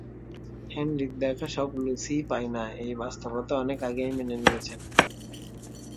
হেনরির দেখা সব লুসিই পায় না এই বাস্তবতা অনেক আগেই মেনে নিয়েছেন।